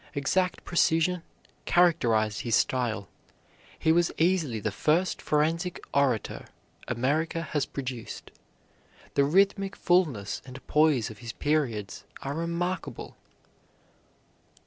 Exact precision characterized his style. He was easily the first forensic orator America has produced. The rhythmical fulness and poise of his periods are remarkable.